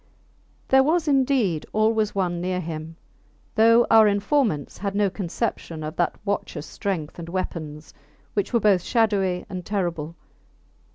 There was indeed always one near him, though our informants had no conception of that watchers strength and weapons, which were both shadowy and terrible.